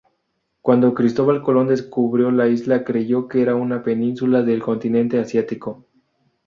Cuando Cristóbal Colón descubrió la isla creyó que era una península del continente asiático.